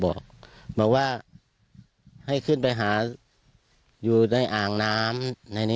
หมอนั่นบอกว่าให้ขึ้นไปหาอยู่ในอ่างน้ำ